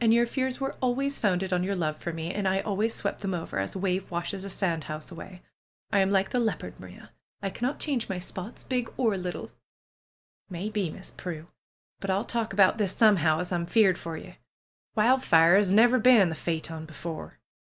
And your fears were always founded on your love for me, and I always swept them over, as a wave washes a sand house away. I am like the leopard, Maria; I cannot change my spots, big or little!^' " Maybe, Miss Prue ! But I'll talk about this some how, as Pm feared for ye. Wildfire 'as never been in the phaeton before."